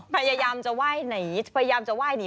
พยายามจะไหว้หนี